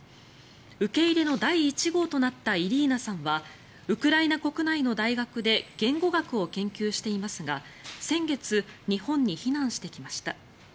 受け入れの第１号となったイリーナさんはウクライナ国内の大学で言語学を研究していますが先月、日本に避難してきました。